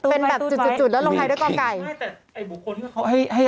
เป็นแบบจุดแล้วลงท้ายด้วยก่อไก่